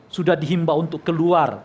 sudah dihimbau untuk keluar